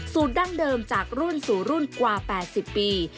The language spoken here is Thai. ดั้งเดิมจากรุ่นสู่รุ่นกว่า๘๐ปี